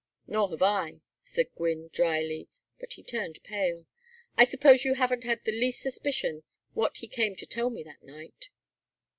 "Nor have I," said Gwynne, dryly; but he turned pale. "I suppose you haven't had the least suspicion what he came to tell me that night?"